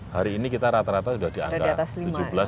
hari ini kita rata rata udah di angka tujuh belas sampai dua puluh triliun